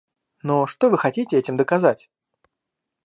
Но что вы хотите этим доказать?